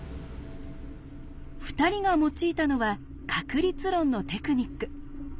２人が用いたのは確率論のテクニック。